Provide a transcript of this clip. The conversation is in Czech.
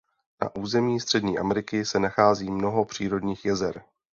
Na území Střední Ameriky se nachází mnoho přírodních jezer.